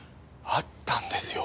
あったんですよ。